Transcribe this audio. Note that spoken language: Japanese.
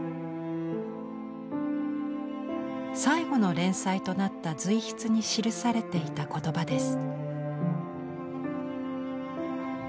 最後の連載となった随筆に記されていたことばです。